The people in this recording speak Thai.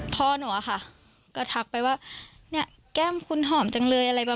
ก็เหมือนว่านัดอาทิตย์เนี่ยแล้วค่ะ